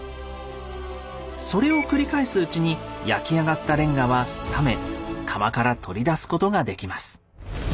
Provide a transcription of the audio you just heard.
それを繰り返すうちに焼き上がったレンガは冷め窯から取り出すことができます。